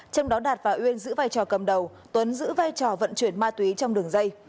trong đó đạt và nguyên giữ vai trò cầm đầu tuấn giữ vai trò vận chuyển ma túy trong đường dây